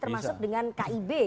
termasuk dengan kib